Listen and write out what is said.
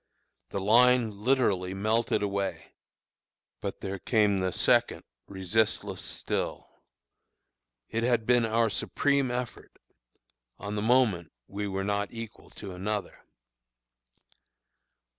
The line literally melted away; but there came the second, resistless still. It had been our supreme effort; on the moment we were not equal to another.